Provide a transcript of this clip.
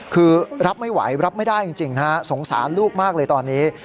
คือรับไม่ไหวรับไม่ได้จริงฮะสงสารลูกมากเลยตอนนี้